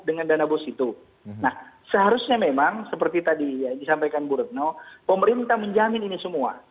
nah seharusnya memang seperti tadi disampaikan bu retno pemerintah menjamin ini semua